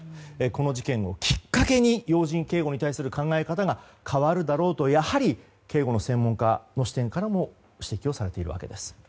この事件をきっかけに要人警護に対する考え方が変わるだろうとやはり警護の専門家の視点からもご指摘されているわけです。